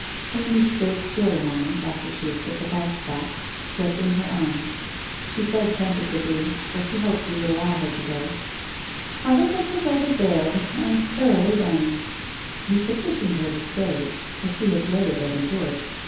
Amy stood still a moment after she had put the box back, stretching her arms. She said, ten tatively, for she hoped he would allow her to go: ' I think I shall go to bed, [ am thoroughly done! ' He petitioned her to stay, as she had dreaded that he would.